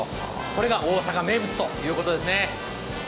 これが大阪名物ということですね。